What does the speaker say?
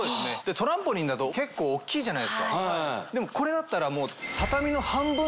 トランポリンだと結構大っきいじゃないですかでもこれだったら。